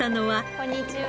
こんにちは。